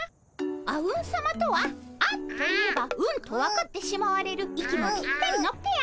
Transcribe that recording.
あうんさまとは「あ」といえば「うん」と分かってしまわれる息もぴったりのペア。